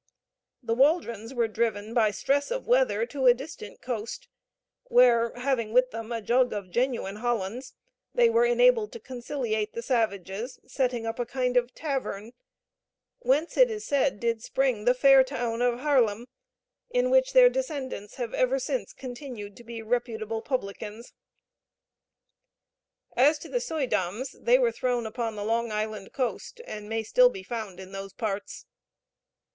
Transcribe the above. The Waldrons were driven by stress of weather to a distant coast, where, having with them a jug of genuine Hollands, they were enabled to conciliate the savages, setting up a kind of tavern; whence, it is said, did spring the fair town of Haerlem, in which their descendants have ever since continued to be reputable publicans. As to the Suydams, they were thrown upon the Long Island coast, and may still be found in those parts.